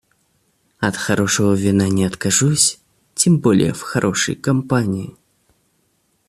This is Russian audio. От хорошего вина не откажусь, тем более в хорошей компании.